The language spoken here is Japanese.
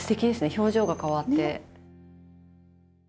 表情が変わって。